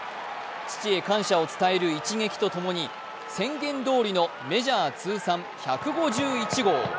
父へ感謝を伝える一撃とともに、宣言どおりのメジャー通算１５１号。